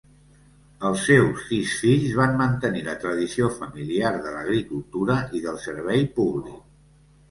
Els seus sis fills van mantenir la tradició familiar de l'agricultura i del servei públic.